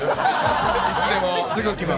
いつでもすぐ来ます。